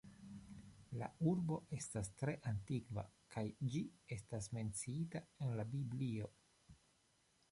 La urbo estas tre antikva, kaj ĝi estas menciita en la Biblio.